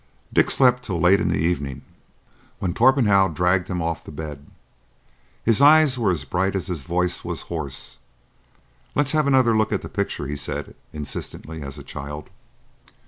Dick slept till late in the evening, when Torpenhow dragged him off to bed. His eyes were as bright as his voice was hoarse. "Let's have another look at the picture," he said, insistently as a child.